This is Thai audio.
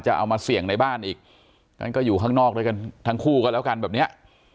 เอามาเสี่ยงในบ้านอีกงั้นก็อยู่ข้างนอกด้วยกันทั้งคู่ก็แล้วกันแบบเนี้ย